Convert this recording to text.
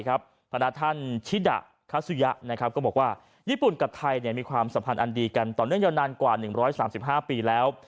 คณะท่านชิดะคัสสุยะก็บอกว่าญี่ปุ่นกับไทยมีความสัมพันธ์อันดีกันต่อเนื่องยาวนานกว่า๑๓๕ปีแล้ว